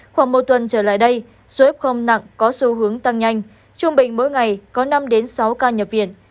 khoảng một tuần trở lại đây số f nặng có xu hướng tăng nhanh trung bình mỗi ngày có năm sáu ca nhập viện